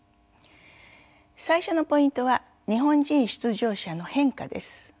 最初のポイントは日本人出場者の変化です。